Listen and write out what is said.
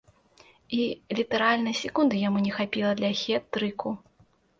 І літаральна секунды яму не хапіла для хет-трыку.